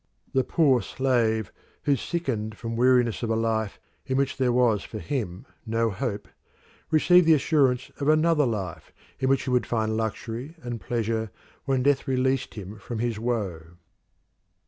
The poor slave who sickened from weariness of a life in which there was for him no hope, received the assurance of another life in which he would find luxury and pleasure when death released him from his woe.